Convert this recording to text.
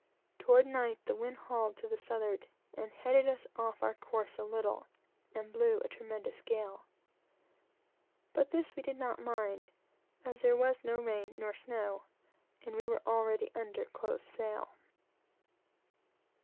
Toward night the wind hauled to the southward, and headed us off our course a little, and blew a tremendous gale; but this we did not mind, as there was no rain nor snow, and we were already under close sail.